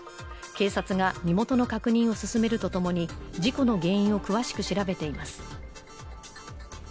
警察が身元の確認を進めるとともに事故の原因を詳しく調べています。